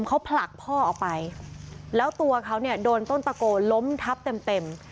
เขาผลักพ่อออกไปแล้วตัวเขาเนี่ยโดนต้นตะโกล้มทับเต็มเต็ม